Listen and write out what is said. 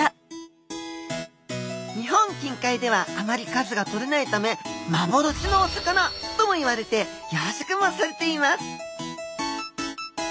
日本近海ではあまり数がとれないため「幻のお魚」ともいわれて養殖もされています。